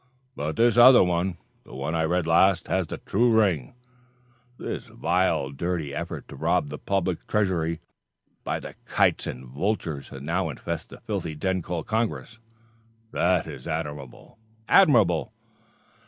But this other one the one I read last has the true ring: 'This vile, dirty effort to rob the public treasury, by the kites and vultures that now infest the filthy den called Congress' that is admirable, admirable!